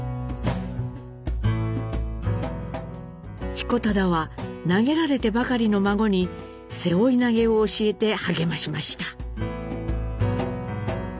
彦忠は投げられてばかりの孫に背負い投げを教えて励ましました。